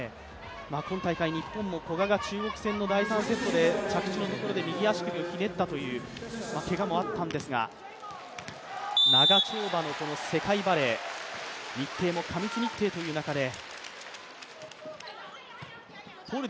今大会、日本も古賀が中国戦の第３セットで右足首をひねったというけがもあったんですけど長丁場の世界バレー、日程も過密日程という中で。